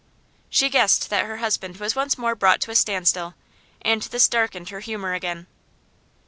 She guessed that her husband was once more brought to a standstill, and this darkened her humour again.